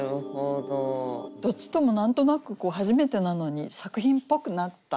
どっちとも何となく初めてなのに作品っぽくなった。